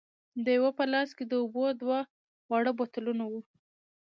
د یوه په لاس کې د اوبو دوه واړه بوتلونه وو.